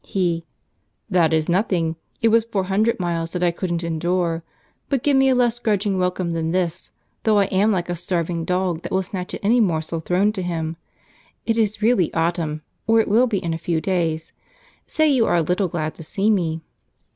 He. "That is nothing; it was four hundred miles that I couldn't endure. But give me a less grudging welcome than this, though I am like a starving dog that will snatch any morsel thrown to him! It is really autumn, Penelope, or it will be in a few days. Say you are a little glad to see me."